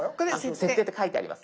「設定」って書いてあります。